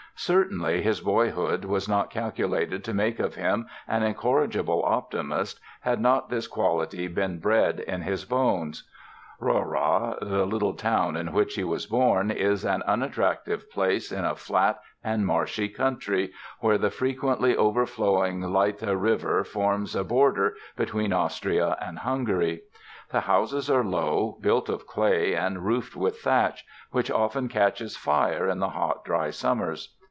Certainly, his boyhood was not calculated to make of him an incorrigible optimist had not this quality been bred in his bones. Rohrau, the little town in which he was born, is an unattractive place in a flat and marshy country, where the frequently overflowing Leitha River forms a border between Austria and Hungary. The houses are low, built of clay and roofed with thatch, which often catches fire in the hot, dry summers.